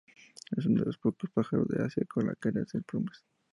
Es uno de los pocos pájaros de asia con la cara sin plumas.